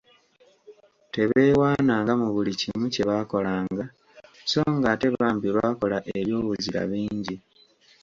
Tebeewaananga mu buli kimu kye baakolanga so ng'ate bambi baakola eby'obuzira bingi.